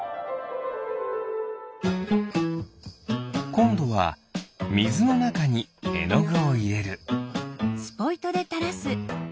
こんどはみずのなかにえのぐをいれる。